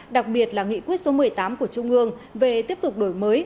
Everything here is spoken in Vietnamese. đặc biệt là nghị quyết số một mươi tám của trung ương về tiếp tục đổi mới